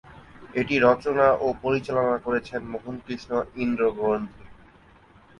এটি রচনা ও পরিচালনা করেছেন মোহন কৃষ্ণ ইন্দ্রগ্রন্তী।